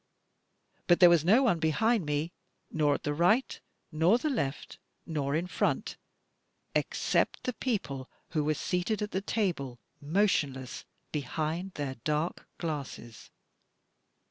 But there was no one behind me, nor at the right, nor the left, nor in front, except the people who were seated at the table, motionless, behind their dark glasses.